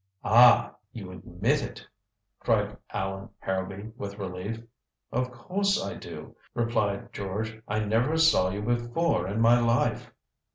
"Ah you admit it," cried Allan Harrowby with relief. "Of course I do," replied George. "I never saw you before in my life."